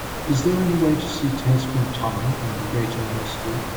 Is there any way to see Tailspin Tommy in the Great Air Mystery